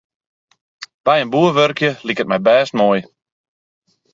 By in boer wurkje liket my bêst moai.